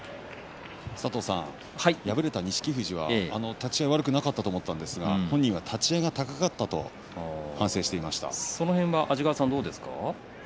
敗れた錦富士は立ち合い悪くなかったと思ったんですが本人は立ち合い高かったとその辺り、安治川さん